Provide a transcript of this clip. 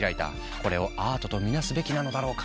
「これをアートと見なすべきなのだろうか」。